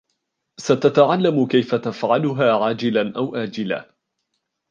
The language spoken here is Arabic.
ستتعلم كيف تفعلها عاجلًا أو آجلًا.